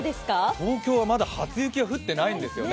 東京は、まだ初雪が降ってないんですよね。